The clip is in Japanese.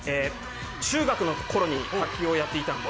中学の頃に卓球をやっていたので。